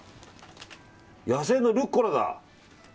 野生のルッコラだ。